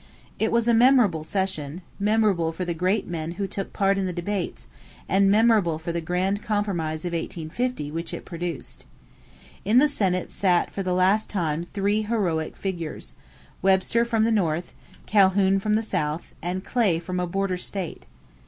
It was a memorable session, memorable for the great men who took part in the debates and memorable for the grand Compromise of 1850 which it produced. In the Senate sat for the last time three heroic figures: Webster from the North, Calhoun from the South, and Clay from a border state.